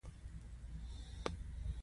محمد ص د اخلاقو نمونه او مثال دی.